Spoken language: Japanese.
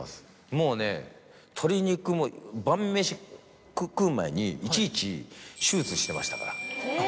もうね鶏肉も晩飯食う前にいちいち手術してましたから。